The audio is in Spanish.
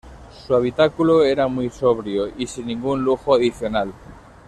Su habitáculo era muy sobrio y sin ningún lujo adicional.